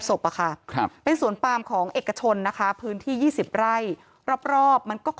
ศพอะค่ะครับเป็นสวนปามของเอกชนนะคะพื้นที่๒๐ไร่รอบมันก็